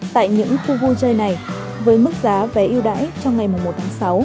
tại những khu vui chơi này với mức giá vé ưu đãi trong ngày một mươi một tháng sáu